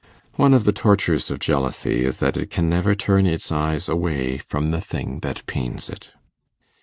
One of the tortures of jealousy is, that it can never turn its eyes away from the thing that pains it.